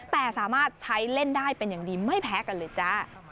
แต่สามารถใช้เล่นได้เป็นอย่างดีไม่แพ้กันเลยจ้า